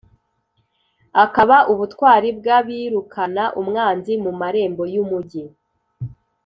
akaba ubutwari bw’abirukana umwanzi mu marembo y’umugi.